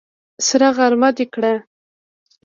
سره غرمه دې کړه!